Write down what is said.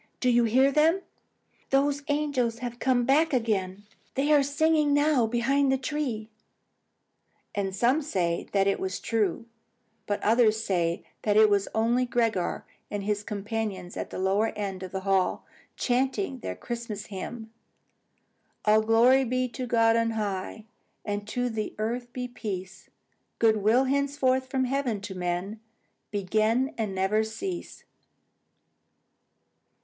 Do you hear them? Those angels have come back again. They are singing now behind the tree." And some say that it was true; but others say that it was only Gregor and his companions at the lower end of the hall, chanting their Christmas hymn: All glory be to God on high, And to the earth be peace! Good will, henceforth, from heaven to men Begin, and never cease.